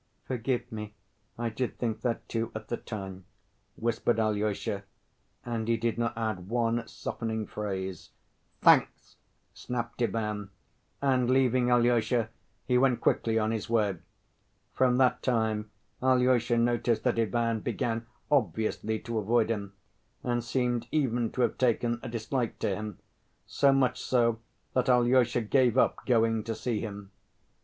"Forgive me, I did think that, too, at the time," whispered Alyosha, and he did not add one softening phrase. "Thanks," snapped Ivan, and, leaving Alyosha, he went quickly on his way. From that time Alyosha noticed that Ivan began obviously to avoid him and seemed even to have taken a dislike to him, so much so that Alyosha gave up going to see him.